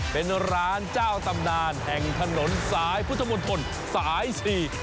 เป็นร้านเจ้าตำนานแห่งถนนสายพุทธมนตรสายสี่